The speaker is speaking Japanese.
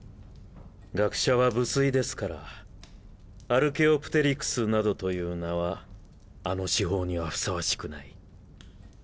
学者は無粋ですからアルケオプテリクスなどという名はあの至宝にはふさわしくない。